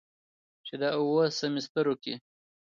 چې دا اووه سميسترو کې